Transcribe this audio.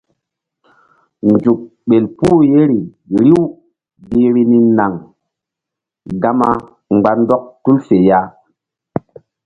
Nzuk ɓel puh yeri riw gi vbi ni naŋ gama mgba ndɔk tul fe ya.